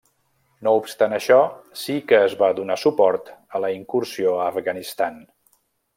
No obstant això, sí que es va donar suport a la incursió a Afganistan.